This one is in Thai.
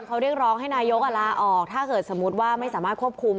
เขาเรียกร้องให้นายกลาออกถ้าเกิดสมมุติว่าไม่สามารถควบคุม